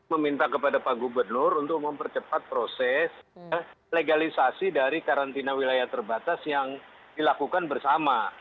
meminta kepada pak gubernur untuk mempercepat proses legalisasi dari karantina wilayah terbatas yang dilakukan bersama